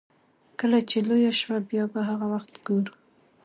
کله چې لويه شوه بيا به هغه وخت ګورو.